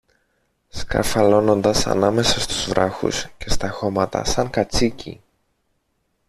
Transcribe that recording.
σκαρφαλώνοντας ανάμεσα στους βράχους και στα χώματα σαν κατσίκι.